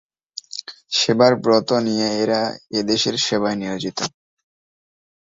সেবার ব্রত নিয়ে এরা এদেশের সেবায় নিয়োজিত।